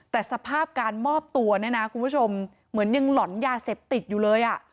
แต่สภาพการมอบตัวเนี่ยนะคุณผู้ชมเหมือนยังหล่อนยาเสพติดอยู่เลยอ่ะ